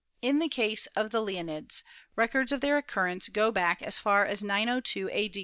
In the case of the Leonids, records of their occurrence go back as far as 902 a.